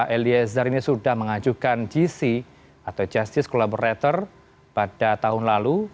eliezer ini sudah mengajukan gc atau justice collaborator pada tahun lalu